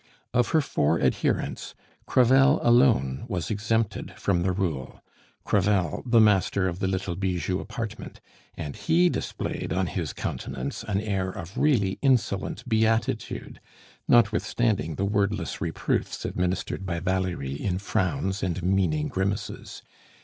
Of her four adherents, Crevel alone was exempted from the rule Crevel, the master of the little "bijou" apartment; and he displayed on his countenance an air of really insolent beatitude, notwithstanding the wordless reproofs administered by Valerie in frowns and meaning grimaces.